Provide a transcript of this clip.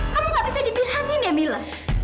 kamu gak bisa dipihangin ya mila